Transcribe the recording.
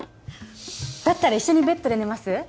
だったら一緒にベッドで寝ます？